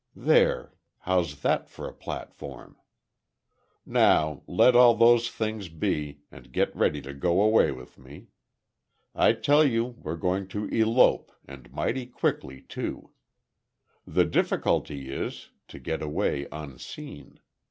There, how's that for a platform? Now, let all those things be, and get ready to go away with me. I tell you we're going to elope and mighty quickly too. The difficulty is, to get away unseen.